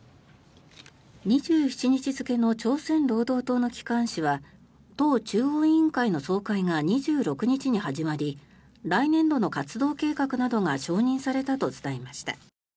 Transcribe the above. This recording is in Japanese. ２７日付の朝鮮労働党の機関紙は党中央委員会の総会が２６日に始まり来年度の活動計画などが承認されたと伝えました。